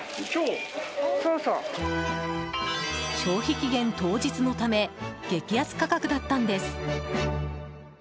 消費期限当日のため激安価格だったんです。